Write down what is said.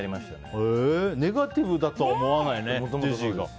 ネガティブだとは思わないね、ジェシーが。